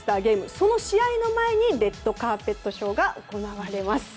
その試合の前にレッドカーペットショーが行われます。